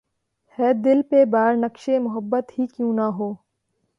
ہے دل پہ بار‘ نقشِ محبت ہی کیوں نہ ہو